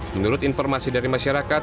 menurut informasi dari masyarakat